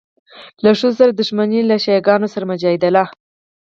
له ښځو سره دښمني، له شیعه ګانو سره مجادله.